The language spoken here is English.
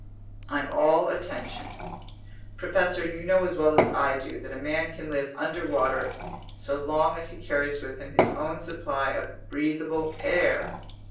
"I'm all attention." "Professor, you know as well as I do that a man can live underwater so long as he carries with him his own supply of breathable air.